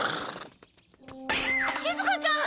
しずかちゃん！